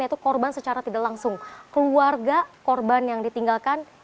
yaitu korban secara tidak langsung keluarga korban yang ditinggalkan